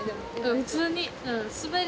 普通に。